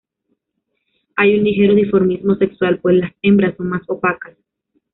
Hay un ligero dimorfismo sexual, pues las hembras son más opacas.